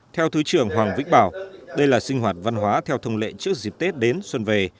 theo thứ trưởng hoàng vĩnh bảo đây là sinh hoạt văn hóa theo thông lệ trước dịp tết đến xuân về